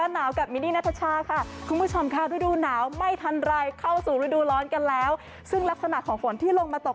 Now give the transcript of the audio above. ให้คุณชมเข้ารูดูหนาวไม่ทันไรเข้าสู่ฤดูร้อนกันแล้วซึ่งลักษณะของฝนที่ลงมาตก